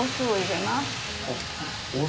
はい。